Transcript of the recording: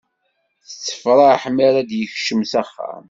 Tettafraḥ mi ara d-yekcem s axxam.